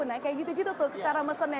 nah kayak gitu gitu tuh secara mesen ya